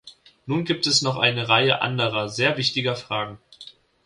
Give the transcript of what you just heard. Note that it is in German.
Nun gibt es noch eine Reihe anderer sehr wichtiger Fragen.